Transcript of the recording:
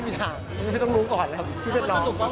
ไม่มีทางไม่ต้องรู้ก่อนนะครับพี่เพื่อนน้อง